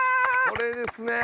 これですね！